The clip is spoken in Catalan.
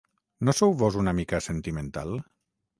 No sou "vós" una mica sentimental?